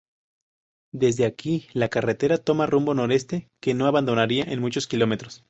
Desde aquí, la carretera toma rumbo noreste que no abandonará en muchos kilómetros.